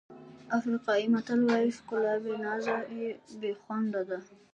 افریقایي متل وایي ښکلا بې نازه بې خونده ده.